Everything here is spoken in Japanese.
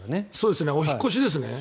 お引っ越しです。